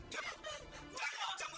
jangan ikut ikut kamu